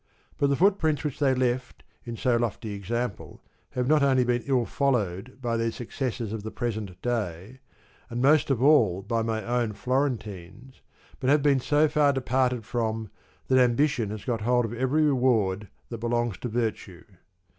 But the footprints which they left in so lofty examples have not only been ill followed by their successors of the present day, and most of all by my own Floren tines, but have been so far departed from that ambition has got hold of every reward that belongs to virtue.